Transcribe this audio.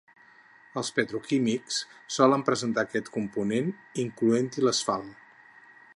Els petroquímics solen presentar aquest comportament, incloent-hi l'asfalt.